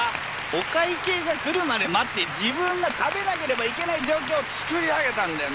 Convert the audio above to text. お会計が来るまで待って自分が食べなければいけない状況をつくり上げたんだよね。